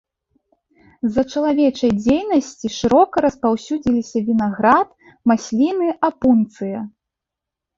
З-за чалавечай дзейнасці шырока распаўсюдзіліся вінаград, масліны, апунцыя.